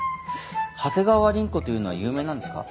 長谷川凛子というのは有名なんですか？